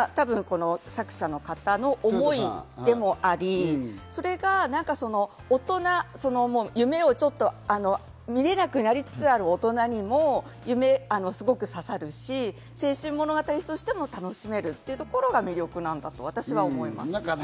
その部分がこの作者の方の思いでもあり、それが大人、夢をちょっと見れなくなりつつある大人にもすごく刺さるし、青春物語としても楽しめるっていうところが魅力なんだと私は思います。